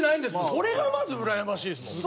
それがまずうらやましいですもん。